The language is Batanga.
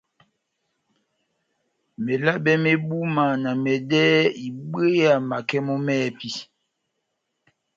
Melabɛ mé búma na mɛdɛ́hɛ́ ibwéya makɛ mɔ́ mɛ́hɛ́pi.